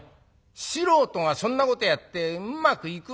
素人がそんなことやってうまくいくわけないだろう。